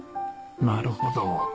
なるほど。